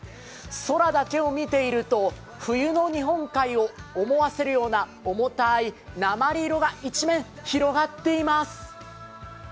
空だけを見ていると冬の日本海を思わせるような重たい鉛色が一面、広がっています